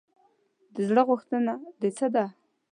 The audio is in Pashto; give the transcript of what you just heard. د زړه غوښتنه دې څه ده ؟